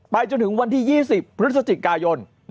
จนถึงวันที่๒๐พฤศจิกายน